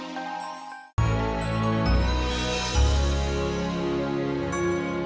sampai jumpa lagi